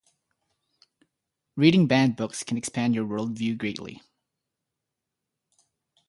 Reading banned books can expand your worldview greatly.